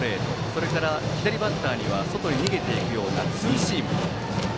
それから左バッターには外に逃げるようなツーシームが。